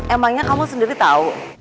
emangnya kamu sendiri tau